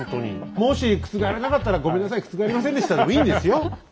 もし覆らなかったら「ごめんなさい覆りませんでした」でもいいんですよ？